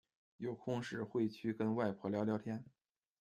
有空时会去跟外婆聊聊天